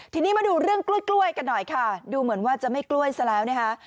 ทีนี้มาดูเรื่องกล้วยกันหน่อยค่ะดูเหมือนว่าจะไม่กล้วยซะแล้วนะคะ